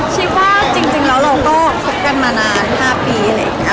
ชิคกี้พายจริงเราก็ฝึกกันมานาน๕ปี